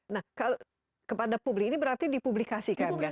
nah kepada publik ini berarti dipublikasikan kan